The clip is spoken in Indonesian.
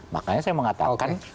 makanya saya mengatakan